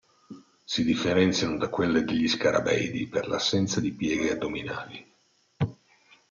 Si differenziano da quelle degli scarabeidi per l'assenza di pieghe addominali.